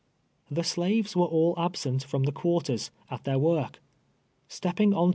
The slaves were all absent from the quarters, at their M'ork. Stepping on to.